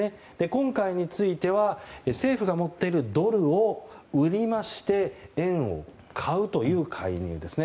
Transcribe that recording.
今回については政府が持っているドルを売りまして円を買うという介入です。